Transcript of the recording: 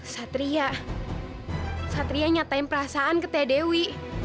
satria satria nyatain perasaan ke teh dewi